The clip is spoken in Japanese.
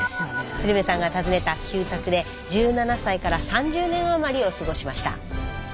鶴瓶さんが訪ねた旧宅で１７歳から３０年あまりを過ごしました。